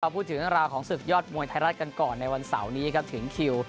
พูดถึงเรื่องราวของศึกยอดมวยไทยรัฐกันก่อนในวันเสาร์นี้ครับถึงคิว